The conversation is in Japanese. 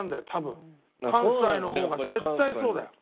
関西の方が絶対そうだよ。